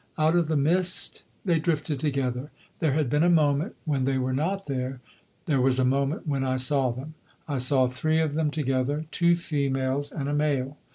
Out of the mist they drifted together. There had been a moment when they were not there; there was a moment when I saw them. I saw three of them together, two females and a male.